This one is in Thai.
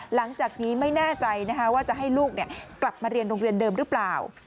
หลังจากนี้ไม่แน่ใจว่าจะให้ลูกกลับมาเรียนโรงเรียนเดิมหรือเปล่า